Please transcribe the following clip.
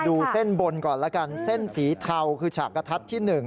ดูเส้นบนก่อนแล้วกันเส้นสีเทาคือฉากกระทัดที่๑